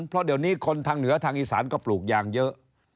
เพราะเดี๋ยวนี้คนทางเหนือทางอีสานก็ปลูกยางเยอะ